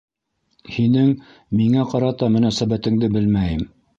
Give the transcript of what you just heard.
Һинең миңә ҡарата мөнәсәбәтеңде белмәйем.